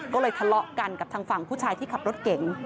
ก็เลยทะเลาะกันกับทางฝั่งผู้ชายที่ขับรถเก่ง